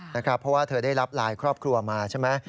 เพราะว่าเธอได้รับไลน์ครอบครัวมาใช่ไหม